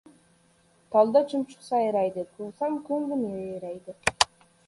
— Tolda chumchuq sayraydi, ko‘rsam ko‘nglim yayraydi...